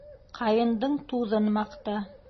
Ҡайындың туҙын маҡта